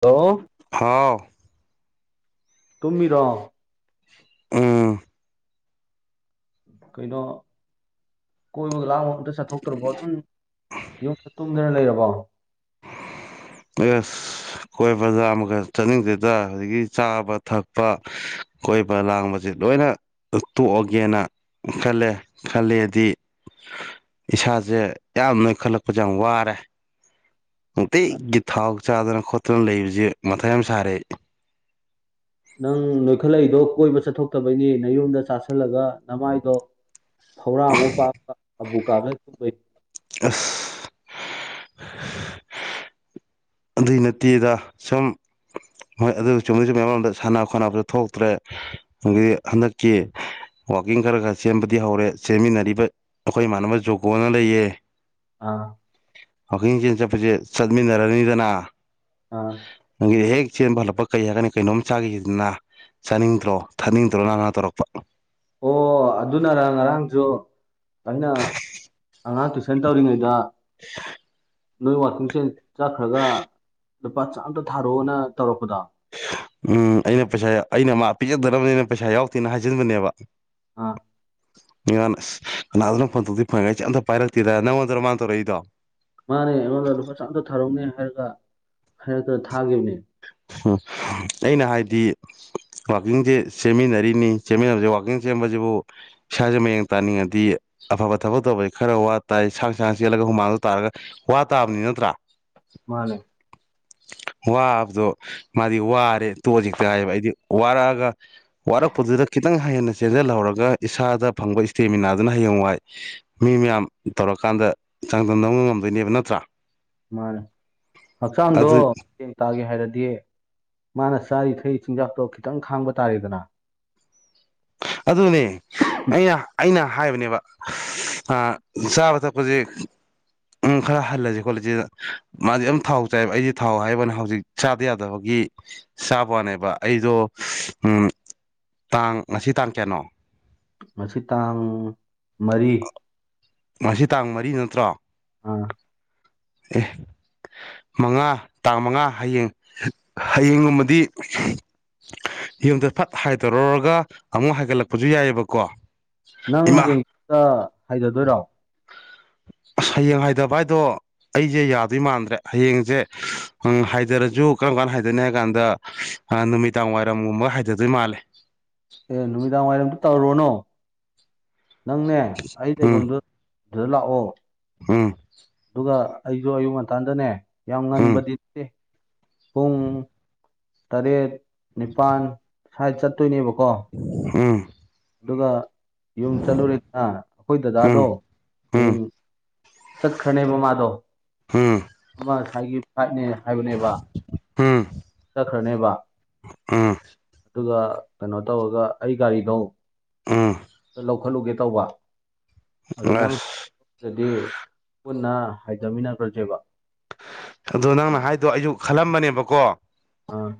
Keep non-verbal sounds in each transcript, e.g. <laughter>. hello ꯍꯥꯎ ꯇꯨꯝꯃꯤꯗꯣ ꯎꯝ ꯀꯩꯅꯣ ꯀꯣꯏꯕꯒ ꯂꯥꯡꯕ ꯑꯝꯇ ꯆꯠꯊꯣꯛꯇ꯭ꯔꯕꯣ ꯑꯗꯨꯝ ꯌꯨꯝꯗ ꯇꯨꯝꯗꯅ ꯂꯩꯔꯕꯣ ꯌꯦꯁ ꯑꯩꯈꯣꯏ ꯕꯖꯥꯔ ꯑꯃꯈꯛ ꯆꯠꯅꯤꯡꯗꯦꯗ ꯍꯧꯖꯤꯗꯒꯤ ꯆꯥꯕ ꯊꯛꯄ ꯀꯣꯏꯕ ꯂꯥꯡꯕꯁꯦ ꯂꯣꯏꯅ ꯇꯣꯛꯑꯒꯦꯅ ꯈꯜꯂꯦ ꯈꯜꯂꯦꯗꯤ ꯏꯁꯥꯁꯦ ꯌꯥꯝ ꯅꯣꯏꯈꯠꯂꯛꯄꯁꯦ ꯌꯥꯝ ꯋꯥꯔꯦ ꯅꯨꯡꯇꯤꯒꯤ ꯊꯥꯎ ꯆꯥꯗꯅ ꯈꯣꯠꯇꯅ ꯂꯩꯕꯕꯁꯤ ꯃꯊꯥ ꯌꯥꯝ ꯁꯥꯔꯦ ꯑꯩ ꯅꯪ ꯅꯣꯏꯈꯠꯂꯛꯏꯗꯣ ꯀꯣꯏꯕ ꯆꯠꯊꯣꯛꯇꯕꯩꯅꯤ ꯅꯌꯨꯝꯗ ꯆꯥꯥꯁꯜꯂꯒ ꯅꯃꯥꯏꯗꯣ ꯐꯧꯔꯥꯃꯨꯛ ꯄꯥꯛꯄ ꯑꯕꯨꯀꯥꯕ <unintelligible> ꯑꯁ ꯑꯗꯨꯏ ꯅꯠꯇꯦꯗ ꯁꯨꯝ ꯍꯣꯏ ꯑꯗꯨ ꯆꯨꯝꯃꯤꯁꯨ ꯃꯌꯥꯝ ꯑꯃꯝꯗ ꯁꯥꯟꯅ ꯈꯣꯠꯅꯕꯁꯨ ꯊꯣꯛꯇ꯭ꯔꯦ ꯑꯗꯒꯤ ꯍꯟꯗꯛꯀꯤ ꯋꯥꯋꯀꯤꯡ ꯈꯔ ꯈꯔ ꯁꯦꯝꯕꯗꯤ ꯍꯧꯔꯦ ꯆ ꯁꯦꯝꯃꯤꯟꯅꯔꯤꯕ ꯑꯩꯈꯣꯏ ꯏꯃꯥꯟꯅꯕ ꯖꯨꯒꯣꯅ ꯂꯩꯌꯦ ꯑꯥ ꯋꯥꯥꯛꯀꯤꯡ ꯆꯦꯟ ꯆꯠꯄꯁꯦ ꯆꯠꯃꯤꯟꯅꯔꯅꯤꯗꯅ ꯑ ꯅꯪꯒꯤ ꯍꯦꯛ ꯆꯦꯟꯕ ꯍꯜꯂꯛꯄ ꯀꯩ ꯍꯥꯏꯔꯀꯅꯤ ꯀꯩꯅꯣꯝ ꯆꯥꯈꯤꯁꯤꯗꯅ ꯆꯥꯅꯤꯡꯗ꯭ꯔꯣ ꯊꯥꯅꯤꯡꯗ꯭ꯔꯣ ꯅꯪꯅꯥ ꯇꯧꯔꯛꯄ ꯑꯣ ꯑꯗꯨꯅꯔꯥꯡ ꯉꯔꯥꯡꯁꯨ ꯑꯩꯅ ꯑꯉꯥꯡ ꯇꯨꯏꯁꯟ ꯇꯧꯔꯤꯉꯩꯗ <inaudible> ꯅꯣꯏ ꯋꯥꯀꯤꯡꯁꯦ ꯆꯠꯈ꯭ꯔꯒ ꯂꯨꯄꯥ ꯆꯥꯝꯇ ꯊꯥꯔꯛꯑꯣꯅ ꯇꯧꯔꯛꯄꯗꯣ ꯎꯝ ꯑꯩꯅ ꯄꯩꯁꯥ ꯑꯩꯅ ꯃꯥ ꯄꯤꯖꯗꯅꯕꯅꯤꯅ ꯄꯩꯁꯥ ꯌꯥꯎꯗꯦꯅ ꯍꯥꯏꯖꯤꯟꯕꯅꯦꯕ ꯑꯥ ꯉ ꯀꯅꯥꯗꯅ ꯐꯪꯗꯗꯤ ꯐꯪꯉꯦ ꯏꯆꯦ ꯑꯝꯇ ꯄꯥꯏꯔꯛꯇꯦꯗ ꯅꯪꯉꯣꯟꯗ꯭ꯔꯥ ꯃꯥꯥꯟ ꯇꯧꯔꯛꯏꯗꯣ ꯃꯥꯅꯦ ꯑꯩꯉꯣꯟꯗ ꯂꯨꯄꯥ ꯆꯥꯝꯇ ꯊꯥꯔꯛꯅꯤ ꯍꯥꯏꯔꯒ ꯍꯥꯏꯔꯛꯇꯅ ꯊꯥꯈꯤꯕꯅꯦ ꯑꯩꯅ ꯍꯥꯏꯗꯤ ꯋꯥꯋꯥꯛꯀꯤꯡꯁꯦ ꯁꯦꯝꯃꯤꯟꯅꯔꯤꯅꯤ ꯁꯦꯝꯃꯤꯟꯅꯕꯁꯦ ꯋꯥꯋꯥꯛꯀꯤꯡ ꯁꯦꯝꯕꯁꯤꯕꯨ ꯏꯁꯥꯁꯦ ꯃꯌꯦꯡ ꯇꯥꯅꯤꯡꯉꯗꯤ ꯑꯐꯕ ꯊꯕꯛ ꯇꯧꯕꯁꯤ ꯈꯔ ꯋꯥ ꯇꯥꯏ ꯁꯥꯡ ꯁꯥꯡ ꯆꯦꯜꯂꯒ ꯍꯨꯃꯥꯡꯗ ꯇꯥꯔꯒ ꯋꯥ ꯇꯥꯕꯅꯤ ꯅꯠꯇ꯭ꯔꯥ ꯃꯥꯅꯦ ꯋꯥꯕꯗꯣ ꯃꯥꯗꯤ ꯋꯥꯔꯦ ꯇꯣꯖꯤꯦꯛꯇ ꯍꯥꯏꯕ ꯑꯩꯗꯤ ꯋꯥꯔꯛꯑꯒ ꯋꯥꯔꯛꯄꯗꯨꯗ ꯈꯤꯇꯪ ꯍꯦꯟꯅ ꯆꯦꯟꯖꯜꯍꯧꯔꯒ ꯏꯁꯥꯗ ꯐꯪꯕ ꯏꯁꯇꯦꯃꯤꯅꯥꯗꯨꯅ ꯍꯌꯦꯡ ꯋꯥꯏ ꯃꯤ ꯃꯌꯥꯝ ꯇꯧꯔꯀꯥꯟꯗ ꯆꯥꯡꯗꯝꯅꯕ ꯉꯝꯗꯣꯏꯅꯦꯕ ꯅꯠꯇ꯭ꯔꯥ ꯃꯥꯅꯦ ꯍꯛꯆꯥꯡꯗꯣ ꯑꯗꯨ ꯇꯥꯒꯦ ꯍꯥꯏꯔꯗꯤ ꯃꯥꯅ ꯆꯥꯔꯤ ꯊꯛ ꯆꯤꯟꯖꯥꯛꯇꯣ ꯈꯤꯇꯪ ꯈꯥꯡꯕ ꯇꯥꯔꯦꯗꯅ ꯑꯗꯨꯅꯦ ꯑꯩꯅ ꯑꯩꯅ ꯍꯥꯏꯕꯅꯦꯕ ꯑ ꯆꯥꯕ ꯊꯛꯄꯁꯦ ꯎꯝ ꯈꯔ ꯍꯜꯂꯁꯤ ꯈꯣꯂꯦꯁꯤꯅ ꯃꯥꯗꯤ ꯑꯝ ꯊꯥꯎ ꯆꯥꯏꯕ ꯑꯩꯗꯤ ꯊꯥꯎ ꯍꯥꯏꯕꯩ ꯋꯥꯅꯤ ꯍꯧꯖꯤꯛ ꯆꯥꯗ ꯌꯥꯗꯕꯒꯤ ꯆꯥꯕꯋꯥꯅꯦꯕ ꯑꯩꯗꯣ ꯎꯝ ꯇꯥꯡ ꯉꯁꯤ ꯇꯥꯡ ꯀꯌꯥꯅꯣ ꯃꯁꯤ ꯇꯥꯡ ꯃꯔꯤ ꯉꯁꯤ ꯇꯥꯡ ꯃꯔꯤ ꯅꯠꯇ꯭ꯔꯣ ꯑꯥ ꯑꯦ ꯃꯉꯥ ꯇꯥꯡ ꯃꯉꯥ ꯍꯌꯦꯡ ꯍꯌꯦꯡꯒꯨꯝꯕꯗꯤ ꯌꯨꯝꯗ ꯐꯠ ꯍꯥꯏ ꯊꯥꯔꯨꯔꯒ ꯑꯃꯨꯛ ꯍꯥꯏꯒꯠꯂꯛꯄꯁꯨ ꯌꯥꯏꯑꯦꯕꯀꯣ ꯅꯪ ꯍꯌꯦꯡ ꯍꯥꯢꯊꯗꯣꯏꯔꯣ ꯑꯁ ꯍꯌꯦꯡ ꯍꯥꯏꯗꯕ ꯍꯥꯏꯗꯣ ꯑꯩꯁꯦ ꯌꯥꯗꯣꯏ ꯃꯥꯟꯗ꯭ꯔꯦ ꯍꯌꯦꯡꯁꯦ ꯎꯝ ꯍꯥꯏꯊꯔꯁꯨ ꯀꯔꯝ ꯀꯥꯟꯗ ꯍꯥꯏꯗꯅꯤ ꯍꯥꯏ ꯀꯥꯟꯗ ꯅꯨꯃꯤꯗꯥꯡ ꯋꯥꯏꯔꯝꯒꯨꯝꯕ ꯍꯥꯏꯗꯗꯣꯏ ꯃꯥꯜꯂꯦ ꯑꯦ ꯅꯨꯃꯤꯗꯥꯡ ꯋꯥꯏꯔꯝꯗꯤ ꯇꯧꯔꯨꯔꯅꯣ ꯅꯪꯅꯦ ꯑꯩ ꯂꯩꯕꯝꯗꯨ ꯑꯗꯨꯗ ꯂꯥꯛꯑꯣ ꯑꯝ ꯑꯗꯨꯒ ꯑꯩꯁꯨ ꯑꯌꯨꯛ ꯉꯟꯇꯥꯟꯗꯅꯦ ꯌꯥꯝ ꯎꯝ ꯉꯟꯕꯗꯤ ꯅꯠꯇꯦ ꯄꯨꯡ ꯇꯔꯦꯠ ꯅꯤꯄꯥꯜ ꯁ꯭ꯋꯥꯥꯏ ꯆꯠꯇꯣꯏꯅꯦꯕꯀꯣ ꯎꯝ ꯑꯗꯨꯒ ꯌꯨꯝ ꯆꯠꯂꯨꯔꯦꯗꯅ ꯑꯩꯈꯣꯏ ꯎꯝ ꯗꯗꯥꯗꯣ ꯎꯝ ꯍꯌꯦꯡ ꯆꯠꯈ꯭ꯔꯅꯦꯕ ꯃꯥꯗꯣ ꯍꯝ ꯑꯃ ꯉꯁꯥꯏꯒꯤ ꯐ꯭ꯂꯥꯏꯠꯅꯦ ꯍꯥꯏꯕꯅꯦꯕ ꯎꯝ ꯆꯠꯈ꯭ꯔꯅꯦꯕ ꯑꯝ ꯑꯗꯨꯒ ꯀꯩꯅꯣ ꯇꯧꯔꯒ ꯑꯩ ꯒꯥꯔꯤꯗꯣ ꯎꯝ ꯂꯧꯈꯠꯂꯨꯒꯦ ꯇꯧꯕ ꯑꯗꯣ ꯅꯪ ꯑꯁ ꯑꯗꯨꯗꯤ ꯄꯨꯟꯅ ꯍꯥꯏꯊꯃꯤꯟꯅꯈ꯭ꯔꯁꯦꯕ ꯑꯗ ꯅꯪꯅ ꯍꯥꯏꯗꯣ ꯑꯩꯁꯨ ꯈꯜꯂꯝꯕꯅꯦꯕꯀꯣ ꯑꯥ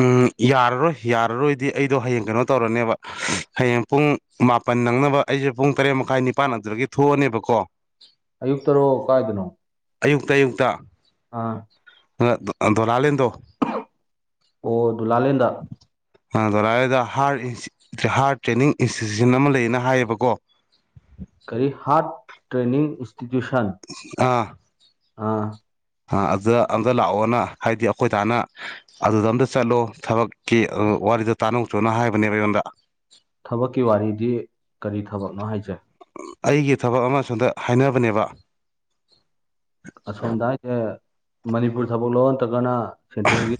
ꯎꯝ ꯌꯥꯔꯔꯣꯏ ꯌꯥꯔꯔꯣꯏꯗꯤ ꯑꯩꯗꯣ ꯍꯌꯦꯡ ꯀꯩꯅꯣ ꯇꯧꯔꯅꯦꯕ ꯍꯌꯦꯡ ꯄꯨꯡ ꯃꯥꯄꯟ ꯅꯪꯅꯕ ꯑꯩꯁꯦ ꯄꯨꯡ ꯇꯔꯦꯠ ꯃꯈꯥꯏ ꯅꯤꯄꯥꯟꯛꯇꯗꯒꯤ ꯊꯣꯛꯑꯅꯦꯕꯀꯣ ꯑꯌꯨꯛꯇꯔꯣ ꯀꯥꯏꯗꯅꯣ ꯑꯌꯨꯛꯇ ꯑꯌꯨꯛꯇ ꯑꯥ ꯂꯥ ꯗꯣꯂꯥꯔꯦꯜꯗꯣ ꯑꯣ ꯗꯣꯂꯥꯂꯦꯟꯗ ꯗꯣꯂꯥꯏꯗ ꯍꯥꯔꯠ ꯍꯥꯔꯠ ꯇ꯭ꯔꯦꯅꯤꯡ ꯏꯟꯁꯇꯤꯇ꯭ꯌꯨꯁꯟ ꯑꯃ ꯂꯩꯌꯦꯅ ꯍꯥꯏꯌꯦꯕꯀꯣ ꯀꯔꯤ ꯍꯥꯔꯠ ꯇ꯭ꯔꯦꯅꯤꯡ ꯏꯟꯁꯇꯤꯇ꯭ꯌꯨꯁꯟ ꯑꯥ ꯑꯥ ꯑ ꯑꯗꯨꯗ ꯑꯗ ꯂꯥꯛꯑꯣꯅ ꯍꯥꯏꯗꯤ ꯑꯩꯈꯣꯏ ꯗꯥꯅ ꯑꯗꯨꯗ ꯑꯝꯇ ꯆꯠꯂꯣ ꯊꯕꯛꯀꯤ ꯑꯗꯨ ꯋꯥꯔꯤꯗꯣ ꯇꯥꯅ ꯆꯨꯅ ꯍꯥꯏꯕꯅꯦꯕ ꯑꯩꯉꯣꯟꯗ ꯊꯕꯛꯀꯤ ꯋꯥꯔꯤꯗꯤ ꯀꯔꯤ ꯊꯕꯛꯅꯣ ꯍꯥꯏꯁꯦ ꯑꯩꯒꯤ ꯊꯕꯛ ꯑꯃ ꯁꯣꯝꯗ ꯍꯥꯏꯅꯕꯅꯦꯕ ꯑꯁꯣꯝꯗ ꯍꯥꯏꯁꯦ ꯃꯅꯤꯄꯨꯔ ꯊꯕꯛ ꯂꯣ ꯅꯠꯇ꯭ꯔꯒꯅ ꯁꯦꯟꯇ꯭ꯔꯦꯜꯒꯤ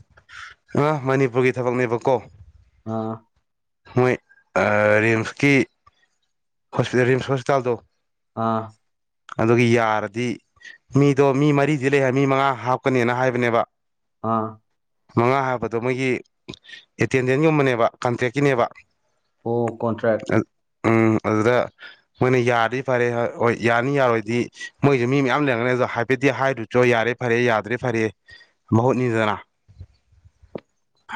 ꯑ ꯃꯅꯤꯄꯨꯔꯒꯤ ꯊꯕꯛꯅꯦꯕ ꯀꯣ ꯑꯥ ꯃꯣꯏ ꯔꯤꯝꯁꯀꯤ ꯍꯣꯁꯄꯤꯇꯥꯜ ꯔꯤꯝꯁ ꯍꯁꯄꯤꯇꯥꯜꯗꯣ ꯑꯥ ꯑꯗꯨꯒꯤ ꯌꯥꯔꯗꯤ ꯃꯤꯗꯣ ꯃꯤ ꯃꯔꯤꯗꯤ ꯂꯩ ꯍꯥꯏ ꯃꯤ ꯃꯉꯥ ꯍꯥꯞꯀꯅꯦꯅ ꯍꯥꯏꯕꯅꯦꯕ ꯑꯥ ꯃꯉꯥ ꯍꯥꯏꯕꯗꯣ ꯃꯣꯏꯒꯤ ꯑꯦꯇꯦꯟꯗꯦꯟꯒꯨꯝꯕꯅꯦꯕ ꯀꯟꯇ꯭ꯔꯦꯛꯀꯤꯅꯦꯕ ꯑꯣ ꯀꯣꯟꯇ꯭ꯔꯦꯛ ꯎꯝ ꯑꯗꯨꯗ ꯃꯣꯏꯅ ꯌꯥꯗꯤ ꯐꯔꯦ ꯍꯣꯏ ꯌꯥꯅꯤ ꯌꯥꯔꯣꯏꯗꯤ ꯃꯣꯏꯁꯦ ꯃꯤ ꯃꯌꯥꯝ ꯂꯩꯔꯝꯒꯅꯤ ꯑꯗꯣ ꯍꯥꯏꯐꯦꯠꯇꯗꯤ ꯍꯥꯏ ꯆꯣ ꯌꯥꯔꯦ ꯐꯔꯦ ꯌꯥꯗ꯭ꯔꯦ ꯐꯔꯦ ꯃꯍꯨꯠꯅꯤꯗꯅ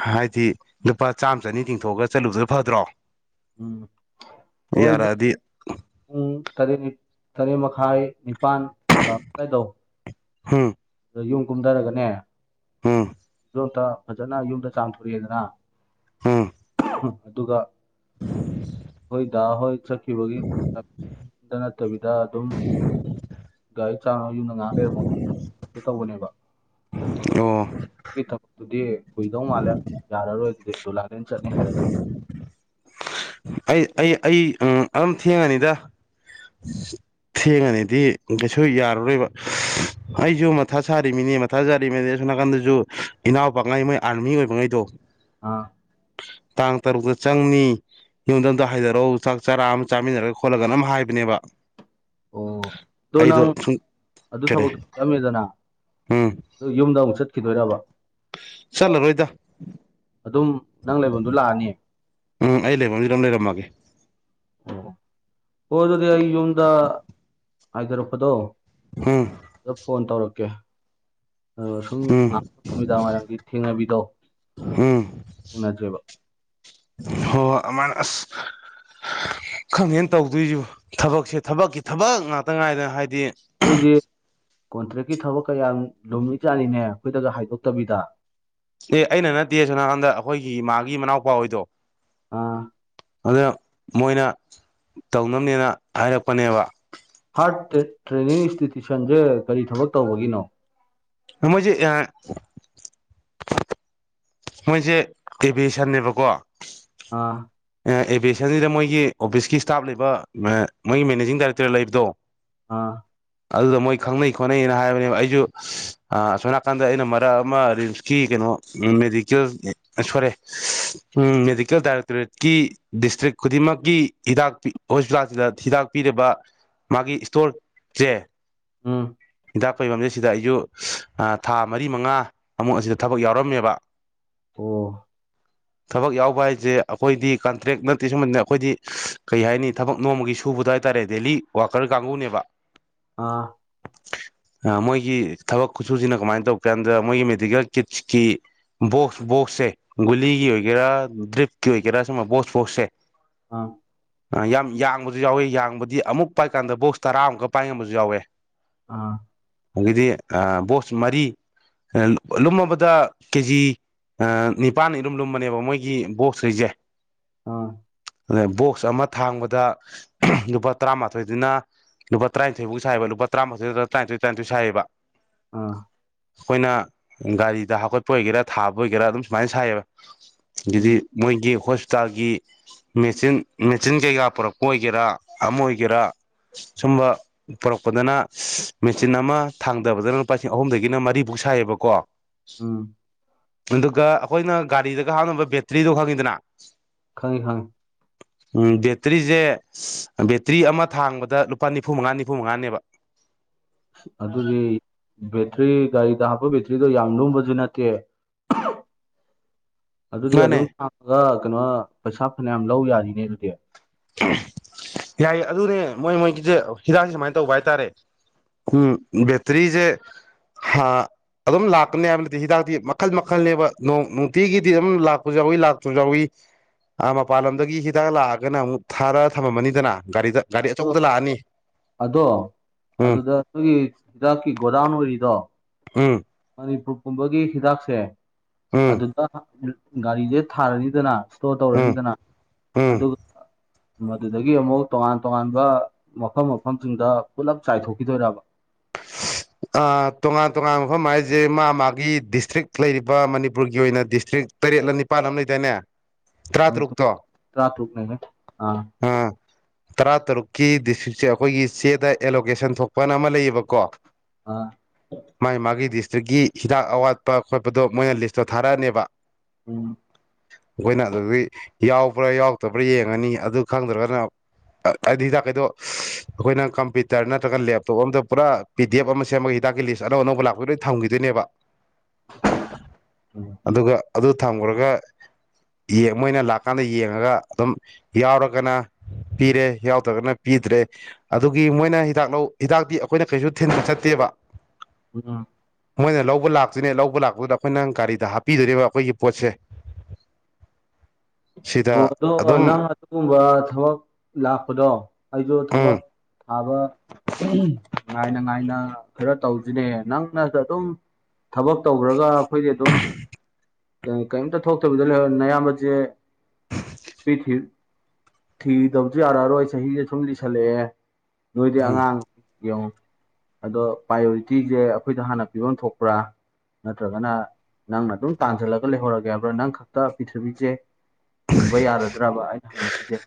ꯍꯥꯏꯗꯤ ꯂꯨꯄꯥ ꯆꯥꯝꯃ ꯆꯅꯤ ꯇꯤꯡꯊꯣꯛꯑꯒ ꯆꯠꯂꯨꯕꯗꯨꯅ ꯐꯗ꯭ꯔꯣ ꯎꯝ ꯍꯣꯏ ꯑꯩꯁꯨ ꯌꯥꯔꯛꯑꯗꯤ ꯄꯨꯡ ꯇꯔꯦꯠ ꯇꯔꯦꯠ ꯃꯈꯥꯏ ꯅꯤꯄꯥꯜ ꯇꯔꯝꯗꯥꯏꯗꯣ ꯍꯝ ꯑꯗ ꯌꯨꯝ ꯀꯨꯝꯊꯔꯒꯅꯦ ꯎꯝ ꯗꯣꯛꯇ ꯐꯖꯅ ꯌꯨꯝꯗ ꯆꯥꯝꯊꯣꯔꯛꯑꯦꯗꯅ ꯎꯝ ꯑꯗꯨꯒ ꯑꯩꯈꯣꯏ ꯗꯥ ꯍꯣꯏ ꯆꯠꯈꯤꯕꯒꯤ ꯗ ꯅꯠꯇꯕꯤꯗ ꯑꯗꯨꯝ ꯒꯥꯔꯤ ꯆꯥꯝꯃ ꯌꯨꯝꯗ ꯉꯥꯍꯥꯛ ꯂꯩꯔꯝꯃꯒ ꯒꯦ ꯇꯧꯕꯅꯦꯕ ꯑꯣ ꯒꯤ ꯊꯕꯛꯇꯨꯗꯤ ꯀꯨꯏꯗꯧ ꯃꯥꯜꯂꯦ ꯌꯥꯔꯔꯣꯏ ꯑꯗꯨꯗꯤ ꯗꯨꯏꯂꯥꯂꯦꯟ ꯆꯠꯅꯤ ꯍꯥꯏꯔꯗꯤ ꯑꯩ ꯑꯩ ꯑꯩ ꯑꯝ ꯑꯗꯨꯝ ꯊꯦꯡꯉꯅꯤꯗ ꯊꯦꯡꯉꯅꯤꯗꯤ ꯀꯩꯁꯨ ꯌꯥꯔꯔꯣꯏꯕ ꯑꯩꯁꯨ ꯃꯊꯥ ꯁꯥꯔꯤꯃꯤꯅꯦ ꯃꯊꯥ ꯁꯥꯔꯤꯃꯦꯗꯤ ꯑꯁꯣꯝ ꯅꯥꯀꯟꯗꯁꯨ ꯏꯅꯥꯎꯄꯥꯉꯩ ꯃꯣꯏ ꯑꯥꯔꯃꯤ ꯑꯣꯏꯕꯉꯩꯗꯣ ꯑꯥ ꯇꯥꯡ ꯇꯔꯨꯛꯇ ꯆꯪꯅꯤ ꯌꯨꯝꯗ ꯑꯝꯇ ꯍꯥꯏꯊꯔꯛꯎ ꯆꯥꯛ ꯆꯔꯥ ꯑꯃ ꯆꯥꯃꯤꯟꯅꯔꯒ ꯈꯣꯠꯂꯒꯅ ꯑꯃ ꯍꯥꯏꯕꯅꯦꯕ ꯑꯣ ꯑꯗꯣ ꯑꯩꯗꯣ ꯅꯪ ꯁꯨꯝ ꯑꯗꯨ ꯀꯩꯅꯣ ꯊꯕꯛꯇꯨ ꯆꯠꯂꯝꯃꯦꯗꯅ ꯎꯝ ꯑꯗꯨ ꯌꯨꯝꯗ ꯑꯃꯨꯛ ꯆꯠꯈꯤꯗꯣꯏꯔꯕ ꯆꯠꯂꯔꯣꯏꯗ ꯑꯗꯨꯝ ꯅꯪ ꯂꯩꯕꯝꯗꯨ ꯂꯥꯛꯑꯅꯤ ꯎꯝ ꯑꯩ ꯂꯩꯐꯝꯗꯨꯗ ꯑꯗꯨꯝ ꯂꯩꯔꯝꯃꯒꯦ ꯑꯣ ꯍꯣꯏ ꯑꯗꯨꯗꯤ ꯑꯩ ꯌꯨꯝꯗ ꯍꯥꯏꯊꯔꯛꯄꯗꯣ ꯎꯝ ꯑꯗ ꯐꯣꯟ ꯇꯧꯔꯛꯀꯦ ꯑ ꯁꯨꯝ ꯎꯝ ꯉꯥꯏꯍꯥꯛ ꯅꯨꯃꯤꯗꯥꯡ ꯋꯥꯏꯔꯝꯒꯤ ꯊꯦꯡꯅꯕꯤꯗꯣ ꯊꯦꯡꯅꯖꯦꯕ ꯍꯣ ꯑꯃꯥꯏꯅ ꯑꯁ ꯈꯪꯗꯦꯗ ꯇꯧꯗꯣꯏꯁꯤꯕꯨ ꯊꯕꯛꯁꯦ ꯊꯕꯛꯀꯤ ꯊꯕꯛ ꯉꯥꯛꯇ ꯉꯥꯏꯗꯅ ꯍꯥꯏꯗꯤ ꯑꯩꯈꯣꯏꯗꯤ ꯀꯣꯟꯇ꯭ꯔꯦꯛꯀꯤ ꯊꯕꯛ ꯀꯌꯥꯝ ꯂꯨꯝꯃꯤ ꯆꯥꯅꯤꯅꯦ ꯑꯩꯈꯣꯏꯗꯒ ꯍꯥꯏꯗꯣꯛꯇꯕꯤꯗ ꯑꯦ ꯑꯩꯅ ꯅꯠꯇꯦ ꯑꯁꯣꯝꯅꯥꯀꯟꯗ ꯑꯩꯈꯣꯏꯒꯤ ꯏꯃꯥꯒꯤ ꯃꯅꯥꯎꯄꯥ ꯍꯣꯏꯗꯣ ꯑꯥ ꯑꯗ ꯃꯣꯏꯅ ꯇꯧꯅꯕꯅꯦꯅ ꯍꯥꯏꯔꯛꯄꯅꯦꯕ ꯍꯥꯔꯠ ꯇꯦꯠ ꯇ꯭ꯔꯦꯅꯤꯡ ꯏꯟꯁꯇꯤꯇ꯭ꯌꯨꯁꯟꯁꯦ ꯀꯔꯤ ꯊꯕꯛ ꯇꯧꯕꯒꯤꯅꯣ ꯃꯣꯏꯖꯤ ꯃꯣꯏꯁꯦ ꯑꯦꯚꯤꯌꯦꯁꯟꯅꯦꯕꯀꯣ ꯑꯥ ꯑꯦ ꯑꯦꯚꯌꯦꯁꯟꯁꯤꯗ ꯃꯣꯏꯒꯤ ꯑꯣꯐꯤꯁꯀꯤ ꯏꯁꯇꯥꯐ ꯂꯩꯕ ꯑ ꯃꯣꯏꯒꯤ ꯃꯦꯅꯦꯖꯤꯡ ꯗꯥꯏꯔꯦꯛꯇꯔ ꯂꯩꯕꯗꯣ ꯑꯥ ꯑꯗꯨꯗ ꯃꯣꯏ ꯈꯪꯅꯩ ꯈꯣꯠꯅꯩꯅ ꯍꯥꯏꯕꯅꯦꯕ ꯑꯩꯁꯨ ꯑꯁꯣꯝ ꯅꯥꯀꯥꯟꯗ ꯑꯩꯅ ꯃꯔꯛ ꯑꯃ ꯔꯤꯝꯁꯀꯤ ꯀꯩꯅꯣ ꯃꯦꯗꯤꯀꯦꯜ ꯁꯣꯏꯔꯦ ꯎꯝ ꯃꯦꯗꯤꯀꯦꯜ ꯗꯥꯥꯏꯔꯦꯛꯇꯣꯔꯦꯠ ꯀꯤ ꯗꯤꯁꯇ꯭ꯔꯤꯛ ꯈꯨꯗꯤꯡꯃꯛꯀꯤ ꯍꯤꯗꯥꯛ ꯍꯣꯁꯄꯤꯇꯥꯜꯁꯤꯡꯗ ꯍꯤꯗꯥꯛ ꯄꯤꯔꯤꯕ ꯃꯥꯒꯤ ꯏꯁꯇꯣꯔꯁꯦ ꯎꯝ ꯍꯤꯗꯥꯛ ꯄꯩꯕꯝꯁꯦ ꯑꯁꯤꯗ ꯑꯩꯁꯨ ꯊꯥ ꯃꯔꯤ ꯃꯉꯥ ꯑꯃꯨꯛ ꯑꯁꯤꯗ ꯊꯕꯛ ꯌꯥꯎꯔꯝꯃꯦꯕ ꯑꯣ ꯊꯕꯛ ꯌꯥꯎꯕ ꯍꯥꯏꯁꯦ ꯑꯩꯈꯣꯏꯗꯤ ꯀꯟꯇ꯭ꯔꯦꯛ ꯅꯠꯇꯦ ꯁꯨꯝꯕꯅꯦ ꯑꯩꯈꯣꯏꯗꯤ ꯀꯩ ꯍꯥꯏꯅꯤ ꯊꯕꯛ ꯅꯣꯝꯃꯒꯤ ꯁꯨꯕꯗꯣ ꯍꯥꯏꯇꯥꯔꯦ ꯗꯦꯂꯤ ꯋꯥꯀꯔ ꯀꯥꯡꯒꯨꯅꯦꯕ ꯑꯥ ꯃꯣꯏꯒꯤ ꯊꯕꯛ ꯈꯨꯠꯁꯨꯁꯤꯅ ꯀꯃꯥꯏꯅ ꯇꯧꯒꯦ ꯍꯥꯏꯀꯥꯟꯗ ꯃꯣꯏꯒꯤ ꯃꯦꯗꯤꯀꯦꯜ ꯀꯤꯠꯁꯀꯤ ꯕꯣꯛꯁ ꯕꯣꯛꯁꯁꯦ ꯒꯨꯂꯤꯒꯤ ꯑꯣꯏꯒꯦꯔꯥ ꯗ꯭ꯔꯤꯞꯀꯤ ꯑꯣꯏꯒꯦꯔꯥ ꯁꯨꯝꯕ ꯕꯣꯛꯁ ꯕꯣꯛꯁꯦ ꯑꯝ ꯑ ꯌꯥꯝ ꯌꯥꯡꯕꯁꯨ ꯌꯥꯎꯋꯦ ꯌꯥꯡꯕꯗꯤ ꯑꯃꯨꯛ ꯄꯥꯏꯀꯥꯟꯗ ꯕꯣꯛꯁ ꯇꯔꯥꯃꯨꯛꯀ ꯄꯥꯏꯉꯝꯕꯁꯨ ꯌꯥꯎꯋꯦ ꯑꯥ ꯑꯗꯒꯤꯗꯤ ꯕꯣꯁ ꯃꯔꯤ ꯂꯨꯝꯃꯕꯗ ꯀꯦꯖꯤ ꯑ ꯅꯤꯄꯥꯜꯅ ꯑꯗꯨꯝ ꯂꯨꯝꯕꯅꯦꯕ ꯃꯣꯏꯒꯤ ꯕꯣꯛꯁ ꯁꯣꯏꯖꯦꯛ ꯑꯥ ꯑꯗꯩ ꯕꯣꯛꯁ ꯑꯃ ꯊꯥꯡꯕꯗ ꯂꯨꯄꯥ ꯇꯔꯥꯃꯥꯊꯣꯏꯗꯨꯅ ꯂꯨ ꯇ꯭ꯔꯥꯏꯊꯣꯏꯐꯥꯎ ꯁꯥꯏꯕꯨ ꯇꯔꯥꯃꯥꯊꯣꯏꯗꯨꯗ ꯇ꯭ꯔꯥꯏꯊꯣꯏ ꯇ꯭ꯔꯥꯏꯊꯣꯏ ꯁꯥꯏꯕ ꯑꯥ ꯑꯩꯈꯣꯏꯅ ꯒꯥꯔꯤꯗ ꯍꯥꯞꯀꯠꯄ ꯑꯣꯏꯒꯦꯔꯥ ꯊꯥꯕ ꯑꯣꯏꯒꯦꯔꯥ ꯑꯗꯨꯝ ꯁꯨꯃꯥꯏꯅ ꯁꯥꯏꯌꯦꯕ ꯎꯝ ꯑꯗꯩꯗꯤ ꯃꯣꯏꯒꯤ ꯍꯣꯁꯄꯤꯇꯥꯜꯒꯤ ꯃꯦꯆꯤꯟ ꯃꯦꯆꯤꯟ ꯀꯩꯀꯥ ꯄꯨꯔꯛꯄ ꯑꯣꯏꯒꯦꯔꯥ ꯑꯃ ꯑꯣꯏꯒꯦꯔꯥ ꯁꯨꯝꯕ ꯄꯨꯔꯛꯄꯗꯅ ꯃꯦꯆꯤꯟ ꯑꯃ ꯊꯥꯡꯗꯕꯗꯅ ꯂꯨꯄꯥꯁꯤꯡ ꯑꯍꯨꯝꯗꯒꯤꯅ ꯃꯔꯤꯐꯨꯛ ꯁꯥꯏꯌꯦꯕꯀꯣ ꯎꯝ ꯑꯗꯨꯒ ꯑꯩꯈꯣꯏꯅ ꯒꯥꯔꯤꯗꯒ ꯍꯞꯅꯕ ꯕꯦꯇ꯭ꯔꯤꯗꯣ ꯈꯪꯉꯤꯗꯅ ꯈꯪꯉꯤ ꯈꯪꯉꯤ ꯎꯝ ꯕꯦꯇ꯭ꯔꯤꯁꯦ ꯕꯦꯇ꯭ꯔꯤ ꯑꯃ ꯊꯥꯡꯕꯗ ꯂꯨꯄꯥ ꯅꯤꯐꯨ ꯃꯉꯥ ꯅꯤꯐꯨ ꯃꯉꯥꯅꯦꯕ ꯑꯗꯨꯗꯤ ꯕꯦꯇ꯭ꯔꯤ ꯒꯥꯔꯤꯗ ꯍꯥꯞꯄ ꯕꯦꯇ꯭ꯔꯤꯗꯣ ꯌꯥꯝ ꯂꯨꯝꯕꯁꯨ ꯅꯠꯇꯦ ꯑꯗꯨꯗꯤ ꯃꯥꯅꯦ ꯑꯗꯨꯝ ꯊꯥꯡꯉꯒ ꯀꯩꯅꯣ ꯄꯩꯁꯥ ꯐꯅꯌꯥꯝ ꯂꯧ ꯌꯥꯔꯤꯅꯦ ꯑꯗꯨꯗꯤ ꯌꯥꯏ ꯑꯗꯨꯅꯦ ꯃꯣꯏ ꯃꯣꯏꯒꯤꯁꯦ ꯍꯤꯗꯥꯛꯁꯦ ꯁꯨꯃꯥꯏꯅ ꯇꯧꯕ ꯍꯥꯏꯇꯥꯔꯦ ꯎꯝ ꯕꯦꯇꯔꯤꯁꯦ ꯍꯥ ꯑꯗꯨꯝ ꯂꯥꯛꯀꯅꯤ ꯍꯥꯏꯕꯅꯠꯇꯦ ꯍꯤꯗꯥꯛꯇꯤ ꯃꯈꯜ ꯃꯈꯜꯅꯦꯕ ꯅꯣꯡ ꯅꯨꯡꯇꯤꯒꯤꯗꯤ ꯑꯗꯨꯝ ꯂꯥꯛꯄꯁꯨ ꯌꯥꯎꯏ ꯂꯥꯛꯄꯁꯨ ꯌꯥꯎꯏ ꯑꯥ ꯃꯄꯥꯟꯂꯣꯝꯗꯒꯤ ꯍꯤꯗꯥꯛ ꯂꯥꯛꯑꯒꯅ ꯑꯃꯨꯛ ꯊꯥꯔ ꯊꯝꯃꯝꯃꯅꯤꯗꯅ ꯒꯥꯔꯤꯗ ꯒꯥꯔꯤ ꯑꯆꯧꯕꯗ ꯂꯥꯛꯑꯅꯤ ꯑ ꯑꯗꯣ ꯎꯝ ꯑꯗꯨꯗ ꯑꯩꯈꯣꯏꯒꯤ ꯍꯤꯗꯥꯛꯀꯤ ꯒꯣꯗꯥꯎꯟ ꯑꯣꯏꯔꯤꯗꯣ ꯎꯝ ꯃꯅꯤꯄꯨꯔ ꯄꯨꯝꯕꯒꯤ ꯍꯤꯗꯥꯛꯁꯦ ꯎꯝ ꯑꯗꯨꯗ ꯒꯥꯔꯤꯗꯦ ꯊꯥꯔꯅꯤꯗꯅ ꯏꯁꯇꯣꯔ ꯎꯝ ꯇꯧꯔꯅꯤꯗꯅ ꯎꯝ ꯑꯗꯨꯒ ꯃꯗꯨꯗꯒꯤ ꯑꯃꯨꯛ ꯇꯣꯉꯥꯟ ꯇꯣꯉꯥꯟꯕ ꯃꯐꯝ ꯃꯐꯝꯁꯤꯡꯗ ꯄꯨꯂꯞ ꯆꯥꯏꯊꯣꯛꯈꯤꯗꯣꯏꯔꯕ <inaudible> ꯇꯣꯉꯥꯟ ꯇꯣꯉꯥꯟꯕ ꯃꯐꯝ ꯍꯥꯏꯔꯤꯁꯦ ꯃꯥ ꯃꯥꯒꯤ ꯗꯤꯁꯇ꯭ꯔꯤꯛ ꯂꯩꯔꯤꯕ ꯃꯅꯤꯄꯨꯔꯒꯤ ꯑꯣꯏꯅ ꯗꯤꯁꯇ꯭ꯔꯤꯛ ꯇꯔꯦꯠꯂ ꯅꯤꯄꯥꯜ ꯑꯃ ꯂꯩꯗꯥꯅꯦ ꯇꯔꯥꯇꯔꯨꯛꯇꯣ ꯇꯔꯥꯇꯔꯨꯛꯅꯦ ꯑꯥ ꯇꯔꯥ ꯇꯔꯨꯛꯀꯤ ꯗꯤꯁꯇ꯭ꯔꯤꯛꯁꯦ ꯑꯩꯈꯣꯏꯒꯤ ꯆꯦꯗ ꯑꯦꯂꯣꯀꯦꯁꯟ ꯊꯣꯛꯄꯅ ꯑꯃ ꯂꯩꯌꯦꯕ ꯀꯣ ꯑ ꯃꯥꯒꯤ ꯃꯥꯒꯤ ꯗꯤꯁꯇ꯭ꯔꯤꯛꯀꯤ ꯍꯤꯗꯥꯛ ꯑꯋꯥꯠꯄ ꯈꯣꯠꯄꯗꯣ ꯃꯣꯏꯅ ꯂꯤꯁꯇꯣ ꯊꯥꯔꯛꯑꯅꯦꯕ ꯎꯝ ꯑꯩꯈꯣꯏꯅ ꯑꯗꯨꯗꯒꯤ ꯌꯥꯎꯕ꯭ꯔꯥ ꯌꯥꯎꯗꯕ꯭ꯔꯥ ꯌꯦꯡꯉꯅꯤ ꯑꯗꯨ ꯈꯪꯗ꯭ꯔꯒꯅ ꯍꯥꯏꯗꯤ ꯍꯤꯗꯥꯛꯀꯩꯗꯣ ꯑꯩꯈꯣꯏꯅ ꯀꯝꯄ꯭ꯌꯨꯇꯔ ꯅꯠꯇ꯭ꯔꯒ ꯂꯦꯞꯇꯣꯞ ꯑꯝꯇ ꯄꯨꯔꯥ ꯄꯤ ꯗꯤ ꯑꯦꯐ ꯑꯃ ꯁꯦꯝꯃꯒ ꯍꯤꯗꯥꯛꯀꯤ ꯂꯤꯁ ꯑꯅꯧ ꯑꯅꯧꯕ ꯂꯥꯛꯄꯒꯩ ꯂꫭꯏ ꯊꯝꯈꯤꯗꯣꯏꯅꯦꯕ ꯎꯝ ꯑꯗꯨꯒ ꯑꯗꯨ ꯊꯝꯈꯨꯔꯒ ꯌꯦꯡ ꯃꯣꯏꯅ ꯂꯥꯛꯀꯥꯟꯗ ꯌꯦꯡꯉꯒ ꯑꯗꯨꯝ ꯌꯥꯎꯔꯒꯅ ꯄꯤꯔꯦ ꯌꯥꯎꯗ꯭ꯔꯒꯅ ꯄꯤꯗ꯭ꯔꯦ ꯑꯗꯨꯒꯤ ꯃꯣꯏꯅ ꯍꯤꯗꯥꯛ ꯂꯧ ꯍꯤꯗꯥꯛꯇꯤ ꯑꯩꯈꯣꯏꯅ ꯀꯩꯁꯨ ꯊꯤꯟꯕ ꯆꯠꯇꯦꯕ ꯎꯝ ꯃꯣꯏꯅ ꯂꯧꯕ ꯂꯥꯛꯇꯣꯏꯅꯦ ꯂꯧꯕ ꯂꯥꯛꯄꯗꯨꯗ ꯑꯩꯈꯣꯏ ꯅꯪ ꯒꯥꯔꯤꯗ ꯍꯥꯞꯄꯤꯗꯣꯏꯅꯦꯕ ꯑꯩꯈꯣꯏꯒꯤ ꯄꯣꯠꯁꯦ ꯑꫭ ꯁꯤꯗ ꯑꯗꯣ ꯑꯗꯨꯝ ꯅꯪ ꯑꯗꯨꯒꯨꯝꯕ ꯊꯕꯛ ꯂꯥꯛꯄꯗꯣ ꯑꯩꯗ ꯎꯝ ꯊꯕꯛ ꯊꯥꯕ ꯉꯥꯏꯅ ꯉꯥꯏꯅ ꯈꯔ ꯇꯧꯁꯤꯅꯦ ꯅꯪꯅꯁꯨ ꯑꯗꯨꯝ ꯊꯕꯛ ꯇꯧꯈ꯭ꯔꯒ ꯑꯩꯈꯣꯏꯗꯤ ꯑꯗꯨꯝ ꯀꯔꯤꯝꯇ ꯊꯣꯛꯇꯕꯤꯗ ꯂꯩ ꯅꯌꯥꯝꯕꯁꯦ ꯊꯤ ꯊꯤꯗꯕꯁꯨ ꯌꯥꯔꯛꯑꯔꯣꯏ ꯆꯍꯤꯁꯦ ꯁꯨꯝ ꯂꯤꯁꯜꯂꯛꯑꯦ ꯅꫭꯏꯗꯤ ꯎꯝ ꯑꯉꯥꯡ ꯌꯩꯡꯉꯨ ꯑꯗꯣ ꯄ꯭ꯔꯥꯏꯌꯣꯔꯤꯇꯤꯁꯦ ꯑꯩꯈꯣꯏꯗ ꯍꯥꯟꯅ ꯄꯤꯐꯝ ꯊꯣꯛꯄ꯭ꯔꯥ ꯅꯠꯇ꯭ꯔꯒꯅ ꯅꯪꯅ ꯑꯗꯨꯝ ꯇꯥꯟꯁꯤꯜꯂꯒ ꯂꯩꯍꯧꯔꯒꯦ ꯍꯥꯏꯕ꯭ꯔꯥ ꯅꯪ ꯈꯛꯇ ꯄꯤꯔꯤꯊꯕꯤꯁꯦ ꯍꯤꯡꯕ ꯌꯥꯔꯗ꯭ꯔꯕ ꯑꯩꯅ ꯍꯪꯅꯤꯡꯉꯤꯁꯦ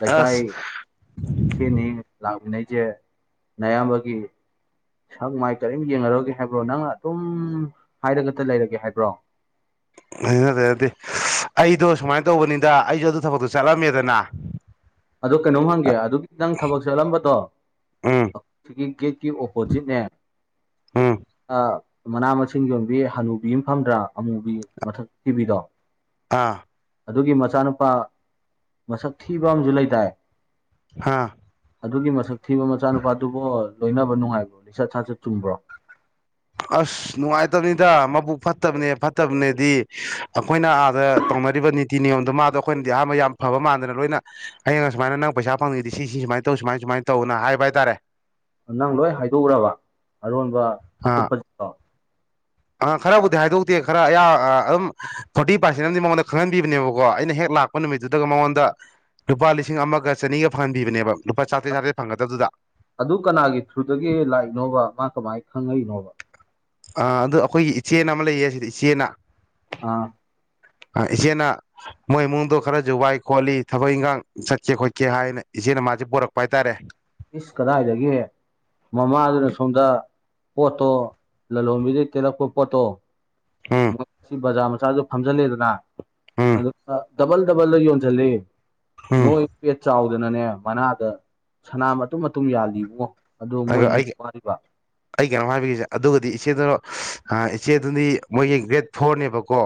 ꯂꯩꯀꯥꯏ ꯑꯁ ꯁꯤꯅꯤ ꯂꯥꯛꯃꯤꯟꯅꯩꯁꯦ ꯑꯌꯥꯝꯕꯒꯤ ꯁꯪ ꯃꯥꯏ ꯀꯔꯤꯝ ꯌꯦꯡꯅꯔꯒꯦ ꯍꯥꯏꯕ꯭ꯔꯣ ꯅꯪꯅ ꯑꯗꯨꯝ ꯍꯥꯏꯔꯒꯇ ꯂꯩꯔꯒꯦ ꯍꯥꯏꯕ꯭ꯔꯣ ꯑꯩꯅꯅꯗꯤ ꯑꯩꯗꯣ ꯁꯨꯃꯥꯏꯅ ꯇꯧꯕꯅꯤꯗ ꯑꯩꯁꯨ ꯑꯗꯨ ꯊꯕꯛꯇꯣ ꯆꯠꯂꯝꯃꯦꯗꯅ ꯑꯗꯣ ꯀꯩꯅꯣꯝ ꯍꯪꯒꯦ ꯑꯗꯨꯒꯤ ꯈꯤꯇꯪ ꯊꯕꯛ ꯆꯠꯂꯝꯕꯗꯣ ꯎꯝ ꯑꯒꯤ ꯦꯠꯀꯤ ꯑꯣꯄꯣꯖꯤꯠꯅꯦ ꯎꯝ ꯃꯅꯥ ꯃꯁꯤꯡ ꯌꯣꯟꯕꯤ ꯍꯅꯨꯕꯤ ꯑꯃ ꯐꯝꯗ꯭ꯔꯥ ꯑꯃꯨꯕꯤ ꯃꯊꯛ ꯊꯤꯕꯤꯗꯣ ꯑꯥ ꯑꯗꯨꯒꯤ ꯃꯆꯥꯅꯨꯄꯥ ꯃꯁꯛ ꯊꯤꯕ ꯑꯃꯁꯨ ꯂꯩ ꯇꯥꯏ ꯍꯥꯥ ꯑꯗꯨꯒꯤ ꯃꯁꯛ ꯊꯤꯕ ꯃꯆꯥ ꯅꯨꯨꯄꯥꯗꯨꯕꯨꯣ ꯂꯣꯏꯅꯕ ꯅꯨꯡꯉꯥꯏꯕ꯭ꯔꯣ ꯂꯤꯆꯠ ꯁꯥ ꯁꯠ ꯆꯨꯝꯕ꯭ꯔꯣ ꯑꯁ ꯅꯨꯡꯉꯥꯏꯇꯕꯅꯤꯗ ꯃꯕꯨꯛ ꯐꯠꯇꯕꯅꯦ ꯐꯠꯇꯕꯅꯦꯗꯤ ꯑꯩꯈꯣꯏꯅ ꯑꯥꯗ ꯇꯧꯅꯔꯤꯕ ꯅꯤꯇꯤ ꯅꯤꯌꯣꯝꯗꯣ ꯃꯥꯗꯣ ꯑꯩꯈꯣꯏꯅꯗꯤ ꯑꯍꯥꯟꯕ ꯌꯥꯝ ꯐꯕ ꯃꯥꯟꯗꯅ ꯂꯣꯏꯅ ꯑꯩꯅ ꯑꯁꯨꯥꯏ ꯅꯪ ꯄꯩꯁꯥ ꯐꯪꯉꯗꯗꯤ ꯁꯤ ꯁꯃꯥꯏꯅ ꯇꯧ ꯁꯨꯃꯥꯏ ꯁꯨꯃꯥꯏꯅ ꯇꯧꯅ ꯍꯥꯏꯕ ꯍꯥꯏꯇꯥꯔꯦ ꯅꯪ ꯂꯣꯏ ꯍꯥꯏꯗꯣꯛꯎꯈ꯭ꯔꯕ ꯑꯔꯣꯟꯕ ꯑꯥ ꯑꯀꯨꯞꯄꯗꯣ ꯑ ꯈꯔꯕꯨꯗꯤ ꯍꯥꯏꯗꯣꯛꯇꯦ ꯈꯔ ꯑꯌꯥ ꯑꯗꯨꯝ ꯐꯣꯔꯇꯤ ꯄꯥꯔꯁꯦꯟ ꯑꯃꯗꯤ ꯃꯉꯣꯟꯗ ꯈꯪꯍꯟꯕꯤꯕꯅꯦꯕꯀꯣ ꯑꯩꯅ ꯍꯦꯛ ꯂꯥꯛꯄ ꯅꯨꯃꯤꯠꯇꯨꯗꯒ ꯃꯉꯣꯟꯗ ꯂꯨꯄꯥ ꯂꯤꯁꯤꯡ ꯑꯃꯒ ꯆꯅꯤꯒ ꯐꯪꯍꯟꯕꯤꯕꯅꯦꯕ ꯂꯨꯄꯥ ꯆꯥꯇ꯭ꯔꯦꯠ ꯆꯥꯇ꯭ꯔꯦꯠ ꯐꯪꯒꯗꯕꯗꯨꯗ ꯑꯗꯨ ꯀꯅꯥꯒꯤ ꯊ꯭ꯔꯨꯗꯒꯤ ꯂꯥꯛꯏꯅꯣꯕ ꯃꯥ ꯀꯃꯥꯏꯅ ꯈꯪꯉꯛꯏꯅꯣꯕ ꯑ ꯑꯗꯨ ꯑꯩꯈꯣꯏꯒꯤ ꯏꯆꯦ ꯑꯃ ꯂꯩꯌꯦ ꯁꯤꯗ ꯏꯆꯦꯅ ꯑꯥ ꯍꯆꯦꯟꯅ ꯃꯣꯏ ꯏꯃꯨꯡꯗꯣ ꯈꯔꯁꯨꯖꯨ ꯋꯥꯏ ꯈꯣꯠꯂꯤ ꯊꯕꯛ ꯏꯟꯈꯥꯡ ꯆꯠꯀꯦ ꯈꯣꯠꯀꯦ ꯍꯥꯏꯅ ꯏꯆꯦꯅ ꯃꯥꯁꯦ ꯄꯣꯔꯛꯄ ꯍꯥꯏꯇꯥꯔꯦ ꯏꯁ ꯀꯗꯥꯏꯒꯦ ꯃꯃꯥꯗꯨꯅ ꯁꯣꯝꯗ ꯄꯣꯠꯇꯣ ꯂꯂꯣꯟꯕꯤꯗꯩ ꯇꯦꯜꯂꯛꯄ ꯄꯣꯠꯇꯣ ꯎꯝ ꯃ ꯖꯥ ꯆꯥꯗ ꯐꯝꯖꯜꯂꯦꯗꯅ ꯎꯝ ꯑꯗꯨꯒ ꯗꯕꯜ ꯗꯕꯜꯗ ꯌꯣꯟꯁꯤꯜꯂꯤ ꯎꯝ ꯅꯣꯏ ꯄꯦꯠ ꯆꯥꯎꯗꯅꯅꯦ ꯃꯅꯥꯗ ꯁꯅꯥ ꯃꯇꯨꯝ ꯃꯇꯨꯝ ꯌꯥꯜꯂꯤꯕꯨꯡꯉꯣ ꯑꯗꯣ ꯃꯣꯏ ꯑꯗꯨꯒ ꯑꯃ ꯑꯩ ꯋꯥꯔꯤꯕ ꯑꯩ ꯀꯩꯅꯣ ꯍꯥꯏꯕꯒꯤꯁꯦ ꯑꯗꯨꯒꯗꯤ ꯏꯆꯦꯗꯨꯅꯣ ꯏꯆꯦꯗꯨꯗꯤ ꯃꯣꯏꯒꯤ ꯒ꯭ꯔꯦꯠ ꯐꯣꯔꯅꯦꯕꯀꯣ